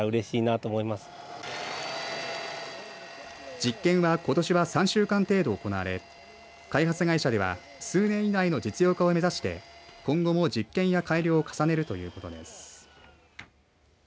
実験はことしは３週間程度行われ開発会社では数年以内の実用化を目指して今後も実験や改良を重ねるということです。